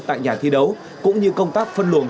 tại nhà thi đấu cũng như công tác phân luồng